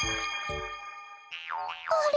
あれ？